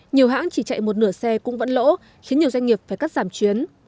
nhiều hãng chỉ chạy một nửa xe cũng vẫn lỗ khiến nhiều doanh nghiệp phải cắt giảm chuyến